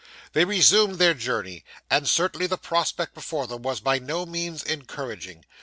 They resumed their journey; and certainly the prospect before them was by no means encouraging.